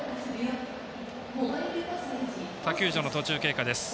他球場の途中経過です。